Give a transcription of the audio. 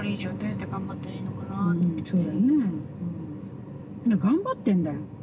だから頑張ってんだよ。